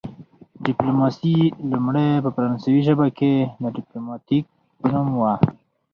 ډیپلوماسي لومړی په فرانسوي ژبه کې د ډیپلوماتیک په نوم وه